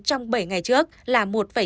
trong bảy ngày trước là một sáu